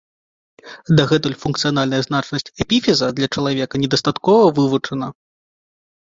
Дагэтуль функцыянальная значнасць эпіфіза для чалавека недастаткова вывучана.